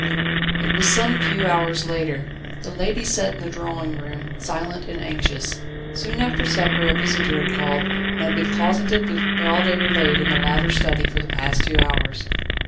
It was some few hours later. The ladies sat in the drawing room, silent and anxious. Soon after supper a visitor had called, and had been closeted with Paul Déroulède in the latter's study for the past two hours.